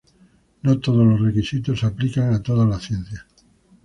No todos los requisitos aplican a todas las ciencias.